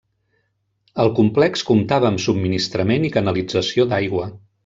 El complex comptava amb subministrament i canalització d'aigua.